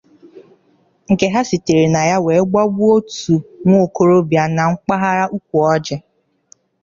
nke ha sitere na ya wee gbagbuo otu nwaokorobịa na mpaghara Ukwuọjị